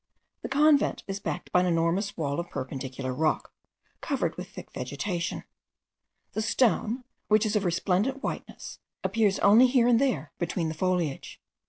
The convent is backed by an enormous wall of perpendicular rock, covered with thick vegetation. The stone, which is of resplendent whiteness, appears only here and there between the foliage.